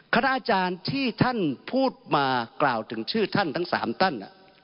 คณะอาจารย์ที่ท่านพูดมากล่าวถึงชื่อท่านทั้ง๓ท่าน